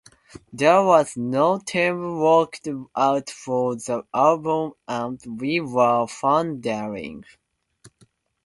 There was no theme worked out for the album and we were floundering.